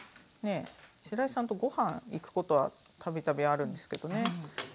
しらいさんとご飯行くことはたびたびあるんですけどね。